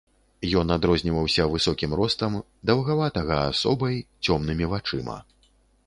Ён адрозніваўся высокім ростам, даўгаватага асобай, цёмнымі вачыма.